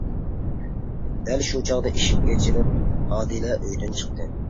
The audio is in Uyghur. دەل شۇ چاغدا ئىشىك ئېچىلىپ ئادىلە ئۆيدىن چىقتى.